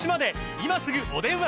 今すぐお電話